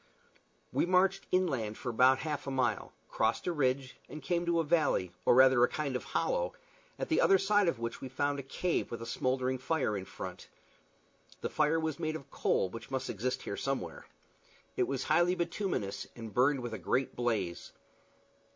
We marched inland for about half a mile, crossed a ridge, and came to a valley, or rather a kind of hollow, at the other side of which we found a cave with a smouldering fire in front. The fire was made of coal, which must exist here somewhere. It was highly bituminous, and burned with a great blaze.